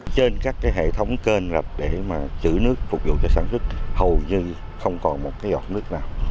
trên các hệ thống canh rạch để chữ nước phục vụ cho sản xuất hầu như không còn một giọt nước nào